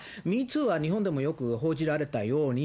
ＭｅＴｏｏは日本でもよく報じられたように、＃